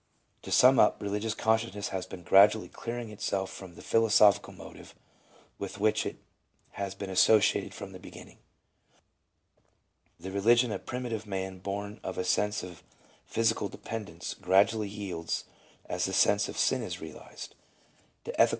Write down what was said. To sum up, religious consciousness has been gradually clearing itself from the philosophical motive with which it has been associated from the beginning. The religion of primitive man born of a sense of physical dependence, gradually yields, as the sense of sin is realized, to ethical re 1 In his " Thoughts on the Revival of Religion."